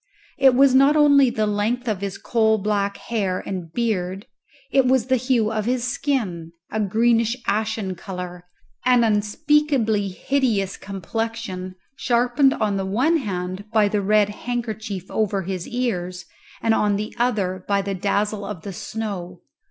It was not only the length of his coal black hair and beard; it was the hue of his skin, a greenish ashen colour, an unspeakably hideous complexion, sharpened on the one hand by the red handkerchief over his ears and on the other by the dazzle of the snow.